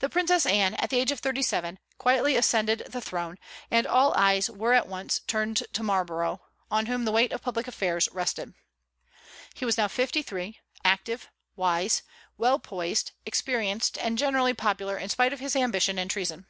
The Princess Anne, at the age of thirty seven, quietly ascended the throne, and all eyes were at once turned to Marlborough, on whom the weight of public affairs rested. He was now fifty three, active, wise, well poised, experienced, and generally popular in spite of his ambition and treason.